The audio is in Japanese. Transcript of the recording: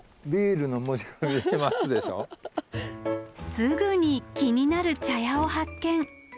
すぐに気になる茶屋を発見。